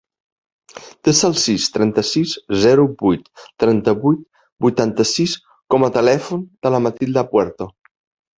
Desa el sis, trenta-sis, zero, vuit, trenta-vuit, vuitanta-sis com a telèfon de la Matilda Puerto.